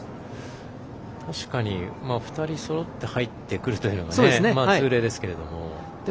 確かに、２人そろって入ってくるというのが通例ですけども。